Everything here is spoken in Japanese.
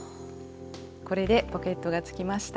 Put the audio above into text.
これでポケットがつきました。